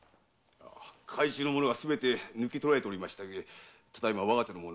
あ懐中の物が全て抜き取られておりましたゆえただ今我が手の者